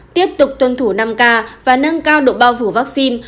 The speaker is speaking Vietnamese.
tiếp tục tuân thủ năm k và nâng cao độ bao phủ vaccine